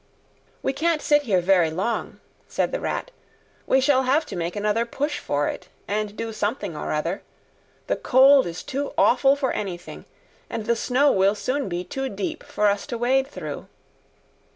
"We can't sit here very long," said the Rat. "We shall have to make another push for it, and do something or other. The cold is too awful for anything, and the snow will soon be too deep for us to wade through."